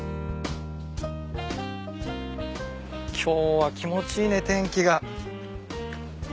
今日は気持ちいいね天気が。